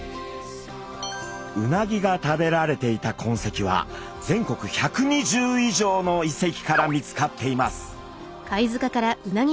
うなぎが食べられていた痕跡は全国１２０以上の遺跡から見つかっています。